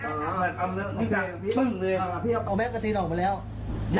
ต้องกันติดเขาใส่นี่ใช่ไหมครับครับอ่าแล้วก็พทะ